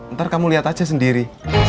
ntar kamu lihat aja sendiri